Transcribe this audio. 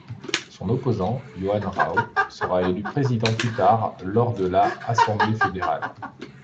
Son opposant, Johannes Rau, sera élu président plus tard lors de la Assemblée fédérale.